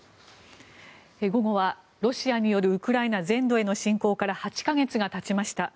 午後は、ロシアによるウクライナ全土への侵攻から８か月がたちました。